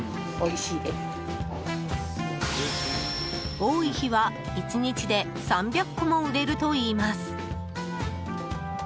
多い日は、１日で３００個も売れるといいます。